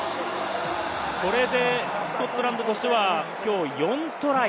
これでスコットランドとしてはきょう４トライ。